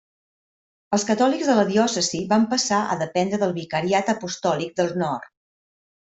Els catòlics de la diòcesi van passar a dependre del vicariat apostòlic del nord.